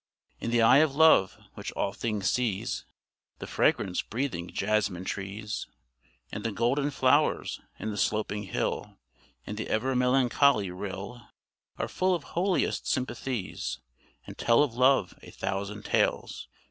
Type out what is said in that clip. In the eye of love, which all things sees, The fragrance breathing jasmine trees And the golden flowers and the sloping hill And the ever melancholy rill Are full of holiest sympathies, And tell of love a thousand tales.